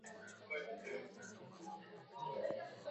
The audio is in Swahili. kupiga marufuku usafirishwaji wa mazao hayo yakibiashara